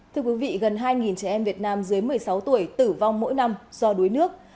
thưa quý vị gần hai trẻ em việt nam dưới một mươi sáu tuổi tử vong mỗi năm do đuối nước